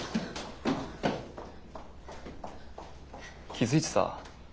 気付いてた？